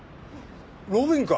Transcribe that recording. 路敏か？